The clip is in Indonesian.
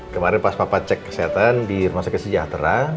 kemarin pas papa cek kesehatan di rumah sakit sejahtera